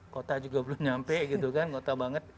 kota juga belum nyampe gitu kan kota banget